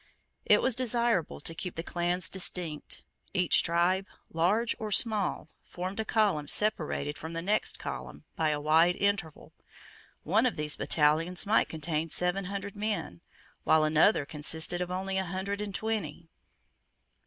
It was desirable to keep the clans distinct. Each tribe, large or small, formed a column separated from the next column by a wide interval. One of these battalions might contain seven hundred men, while another consisted of only a hundred and twenty.